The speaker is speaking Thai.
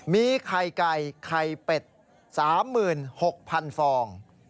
มีไข่ไก่ไข่เป็ด๓๖๐๐๐ฟอง